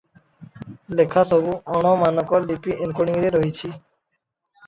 ଲେଖାସବୁ ଅଣ-ମାନକ ଲିପି ଏନକୋଡ଼ିଂରେ ରହିଛି ।